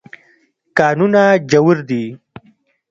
کانونه ژور دي.